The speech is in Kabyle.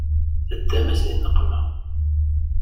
Teddam-as di nneqma